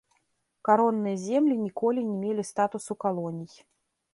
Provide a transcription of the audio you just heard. Каронныя землі ніколі не мелі статусу калоній.